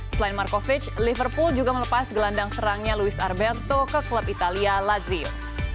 selain marcovit liverpool juga melepas gelandang serangnya louis arbento ke klub italia ladrio